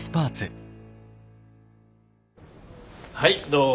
はいどうぞ。